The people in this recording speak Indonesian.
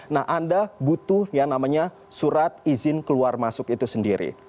nah anda butuh yang namanya surat izin keluar masuk itu sendiri